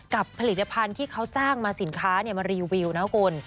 ผลิตภัณฑ์ที่เขาจ้างมาสินค้ามารีวิวนะคุณ